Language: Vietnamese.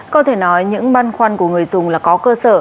có thể nói những băn khoăn của người dùng là có cơ sở